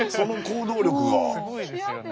すごいですよね。